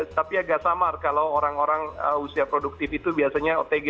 tapi agak samar kalau orang orang usia produktif itu biasanya otg